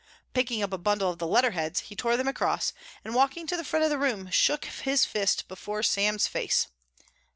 Picking up a bundle of the letterheads, he tore them across, and walking to the front of the room, shook his fist before Sam's face.